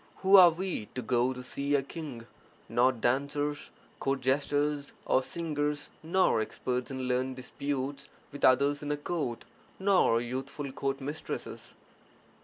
Who are we to go to see a king — not dancers, court jesters, or singers, nor experts in (learned) disputes with others in a court, nor youthful court mistresses!